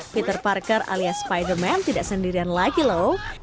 peter parker alias spiderman tidak sendirian lagi lho